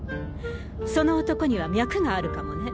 その男には脈があるかもね。